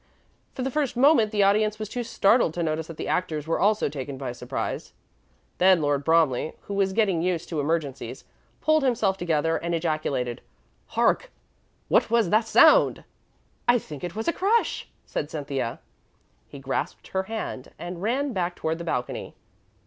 For the first moment the audience was too startled to notice that the actors were also taken by surprise. Then Lord Bromley, who was getting used to emergencies, pulled himself together and ejaculated, "Hark! What was that sound?" "I think it was a crash," said Cynthia. He grasped her hand and ran back toward the balcony.